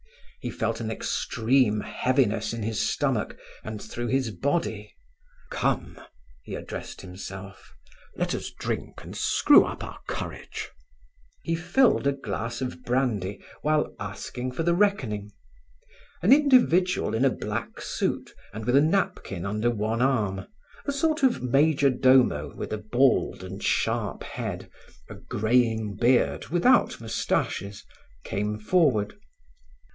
He felt an extreme heaviness in his stomach and through his body. "Come!" he addressed himself, "let us drink and screw up our courage." He filled a glass of brandy, while asking for the reckoning. An individual in black suit and with a napkin under one arm, a sort of majordomo with a bald and sharp head, a greying beard without moustaches, came forward.